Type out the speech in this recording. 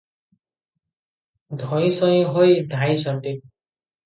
ଧଇଁ ସଇଁ ହୋଇ ଧାଇଁଛନ୍ତି ।